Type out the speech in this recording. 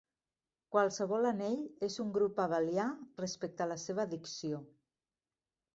Qualsevol anell és un grup abelià respecte a la seva addició.